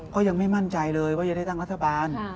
ก็ยังไม่มั่นใจเลยว่าจะได้ตั้งรัฐบาล